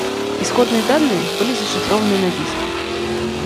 Исходные данные были зашифрованы на диске